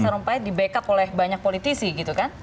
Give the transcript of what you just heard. sekalipun awalnya rana sarumpahit di backup oleh banyak politisi gitu kan